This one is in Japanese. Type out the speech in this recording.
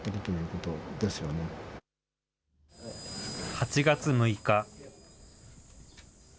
８月６日。